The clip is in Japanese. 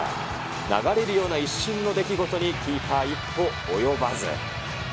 流れるような一瞬の出来事に、キーパー一歩及ばず。